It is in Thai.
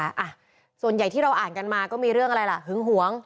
อ่ะส่วนใหญ่ที่เราอ่านกันมาก็มีเรื่องอะไรล่ะหึงหวง